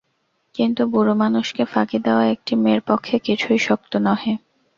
কিন্তু বুড়োমানুষকে ফাঁকি দেওয়া একটি মেয়ের পক্ষে কিছুই শক্ত নহে।